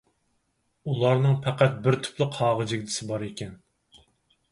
ئۇلارنىڭ پەقەت بىر تۈپلا قاغا جىگدىسى بار ئىكەن.